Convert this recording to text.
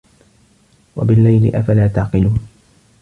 وَبِاللَّيلِ أَفَلا تَعقِلونَ